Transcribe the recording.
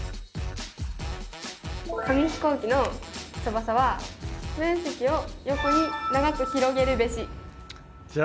紙ひこうきの翼は面積を横に長く広げるべし。